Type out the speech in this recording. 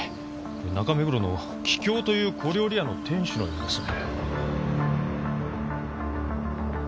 中目黒の桔梗という小料理屋の店主のようですね。